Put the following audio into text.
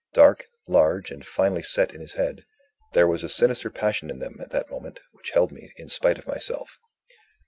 Dark, large, and finely set in his head, there was a sinister passion in them, at that moment, which held me in spite of myself.